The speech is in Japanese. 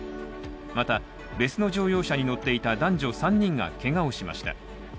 また、別の乗用車に乗っていた男女３人がけがをしました。